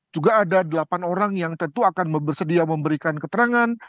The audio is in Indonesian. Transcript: juga ada delapan orang yang tentu akan bersedia memberikan keterangan